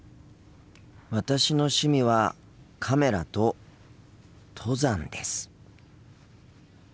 私の趣味はカメラと登山です。